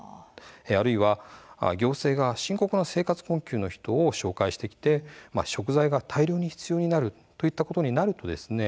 あるいは行政が深刻な生活困窮の人を連れてきて食材が大量に必要になるといったことになるとですね